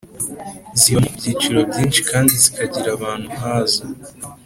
Zibamo ibyiciro byinshi kandi zikagirira abantu hazo